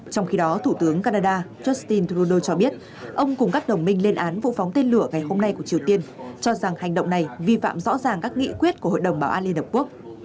trong khi đó thủ tướng canada justin trudeau cho biết ông cùng các đồng minh lên án vụ phóng tên lửa ngày hôm nay của triều tiên cho rằng hành động này vi phạm rõ ràng các nghị quyết của hội đồng bảo an liên hợp quốc